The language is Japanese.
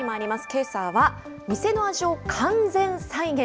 けさは、店の味を完全再現。